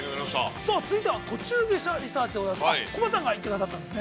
さあ、続いては「途中下車リサーチ」でございます。